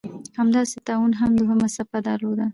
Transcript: همداسې طاعون هم دوهمه څپه درلوده.